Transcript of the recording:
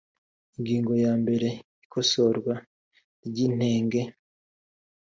ingingo ya mbere ikosorwa ry inenge